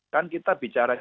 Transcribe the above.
kan kita bicara